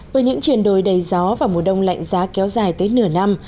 với những triển đồi đầy gió và mùa đông lạnh giá kéo dài tới nửa năm